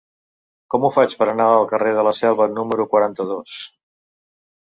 Com ho faig per anar al carrer de la Selva número quaranta-dos?